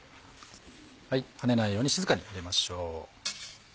跳ねないように静かに入れましょう。